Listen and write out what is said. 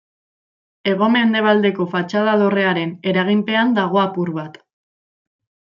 Hego-mendebaldeko fatxada dorrearen eraginpean dago apur bat.